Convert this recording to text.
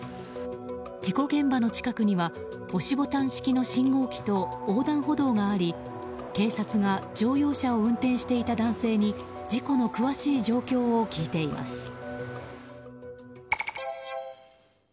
事故現場の近くには押しボタン式の信号機と横断歩道があり、警察が乗用車を運転していた男性に事故の詳しい状況を聞いています。